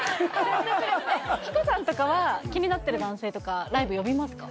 ヒコさんとかは気になってる男性とかライブ呼びますか？